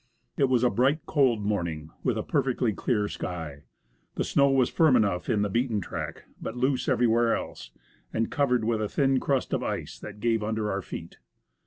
It was a bright, cold morning, with a perfectly clear sky. The snow was firm enough in the beaten track, but loose everywhere else, and covered with a thin crust of ice that gave under our feet.